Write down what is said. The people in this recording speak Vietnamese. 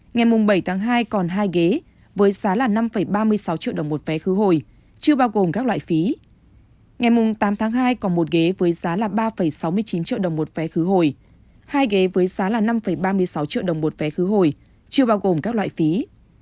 ngày mùng tám tháng hai còn một ghế với giá là ba sáu mươi chín triệu đồng một vé khứ hồi hai ghế với giá là năm ba mươi sáu triệu đồng một vé khứ hồi chưa bao gồm các loại phí